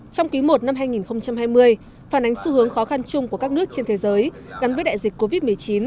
trong ký một năm hai nghìn hai mươi phản ánh xu hướng khó khăn chung của các nước trên thế giới gắn với đại dịch covid một mươi chín